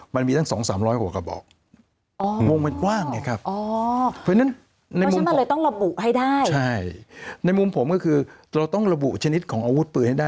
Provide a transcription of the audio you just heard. มันมีตั้ง๒๓๐๐กบ